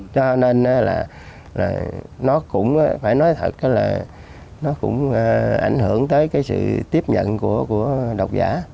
cho nên là nó cũng phải nói thật là nó cũng ảnh hưởng tới cái sự tiếp nhận của độc giả